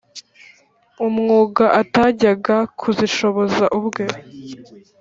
umwuga atajyaga kuzishoboza ubwe